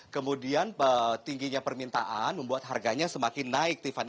kemudian tingginya permintaan membuat harganya semakin naik tiffany